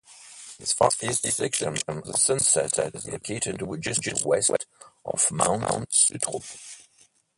This far-east section of the Sunset is located just west of Mount Sutro.